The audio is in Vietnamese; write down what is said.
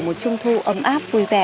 một trung thu ấm áp vui vẻ